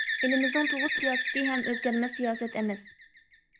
ئېلىمىزنىڭ تۇغۇت سىياسىتى ھەم ئۆزگەرمەس سىياسەت ئەمەس.